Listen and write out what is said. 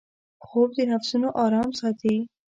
خوب د نفسونـو آرام ساتي